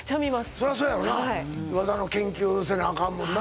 そりゃそうやろな技の研究せなアカンもんな